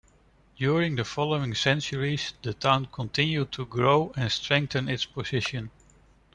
During the following centuries the town continued to grow and strengthened its position.